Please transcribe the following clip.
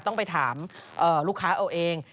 ต้องไปถามลูกค้าเอาเอง